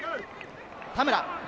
田村！